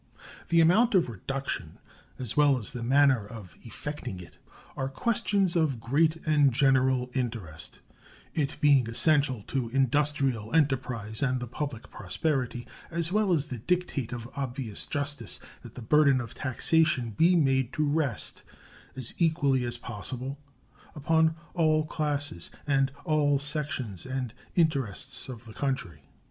The amount of reduction, as well as the manner of effecting it, are questions of great and general interest, it being essential to industrial enterprise and the public prosperity, as well as the dictate of obvious justice, that the burden of taxation be made to rest as equally as possible upon all classes and all sections and interests of the country.